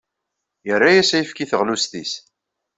Yerra-as ayefki i teɣlust-is.